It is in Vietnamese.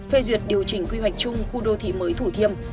phê duyệt điều chỉnh quy hoạch chung khu đô thị mới thủ thiêm